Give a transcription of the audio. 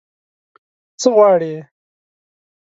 _څه غواړې؟